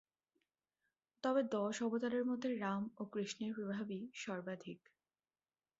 তবে দশ অবতারের মধ্যে রাম ও কৃষ্ণের প্রভাবই সর্বাধিক।